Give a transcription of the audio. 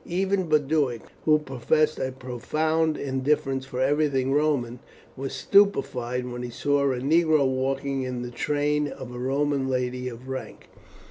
Even Boduoc, who professed a profound indifference for everything Roman, was stupefied when he saw a negro walking in the train of a Roman lady of rank.